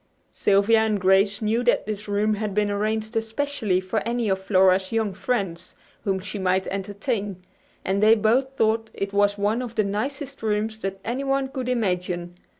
Sylvia and Grace knew that this room had been arranged especially for any of Flora's young friends whom she might entertain, and they both thought it was one of the nicest rooms that anyone could imagine.